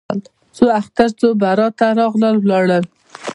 څو اختره څو براته راغله ولاړه